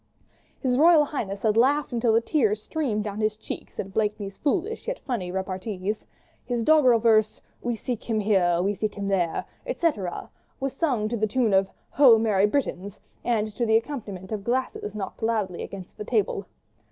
His Royal Highness had laughed until the tears streamed down his cheeks at Blakeney's foolish yet funny repartees. His doggerel verse, "We seek him here, we seek him there," etc., was sung to the tune of "Ho! Merry Britons!" and to the accompaniment of glasses knocked loudly against the table.